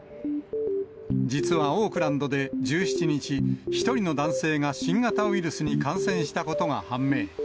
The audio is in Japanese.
実はオークランドで１７日、１人の男性が新型ウイルスに感染したことが判明。